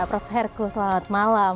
prof herku selamat malam